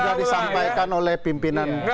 sudah disampaikan oleh pimpinan